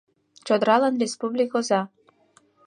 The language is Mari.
Чодыралан республик оза